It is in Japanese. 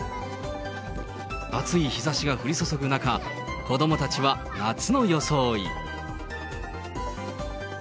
暑い日ざしが降り注ぐ中、子どもたちは夏の装い。